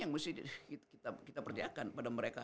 yang mesti kita percayakan pada mereka